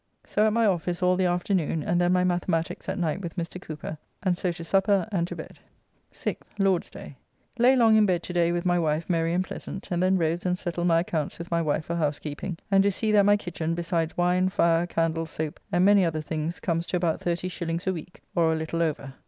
So at my office all the afternoon, and then my mathematiques at night with Mr. Cooper, and so to supper and to bed. 6th (Lord's day). Lay long in bed to day with my wife merry and pleasant, and then rose and settled my accounts with my wife for housekeeping, and do see that my kitchen, besides wine, fire, candle, sope, and many other things, comes to about 30s. a week, or a little over.